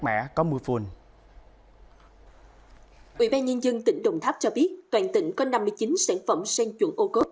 trong mùa phùn ủy ban nhân dân tỉnh đồng tháp cho biết toàn tỉnh có năm mươi chín sản phẩm sen chuộng ô cốp